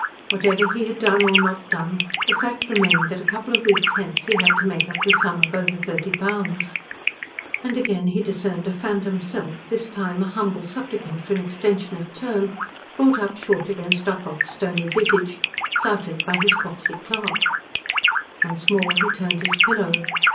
Whatever he had done or not done, the fact remained that a couple of weeks hence he had to make up the sum of over thirty pounds. And again he discerned a phantom self, this time a humble supplicant for an extension of term, brought up short against Ocock's stony visage, flouted by his cocksy clerk. Once more he turned his pillow.